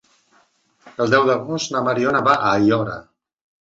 El deu d'agost na Mariona va a Aiora.